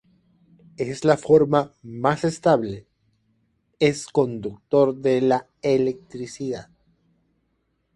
Es la forma más estable; es conductor de la electricidad.